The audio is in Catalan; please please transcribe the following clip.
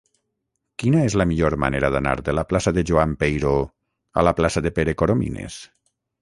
Quina és la millor manera d'anar de la plaça de Joan Peiró a la plaça de Pere Coromines?